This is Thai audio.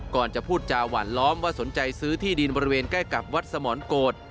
ก่อนจะพูดจาหวานล้อมว่าสนใจซื้อที่ดินบริเวณใกล้กับวัดสมรโกรธ